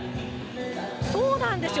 そうなんですよ。